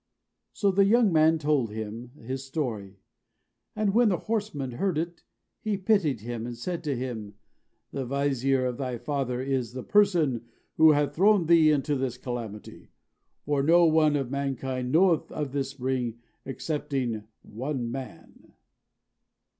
So the young man told him his story; and when the horseman heard it, he pitied him, and said to him, "The vizier of thy father is the person who hath thrown thee into this calamity; for no one of mankind knoweth of this spring excepting one man."